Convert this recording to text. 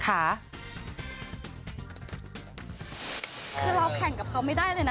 คือเราแข่งกับเขาไม่ได้เลยนะ